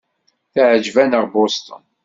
Teɛjeb-aneɣ Boston.